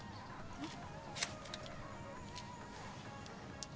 えっ？